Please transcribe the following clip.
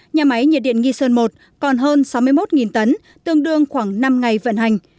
nhà máy nhiệt điện nghi sơn i còn hơn sáu mươi một tấn tương đương khoảng năm ngày vận hành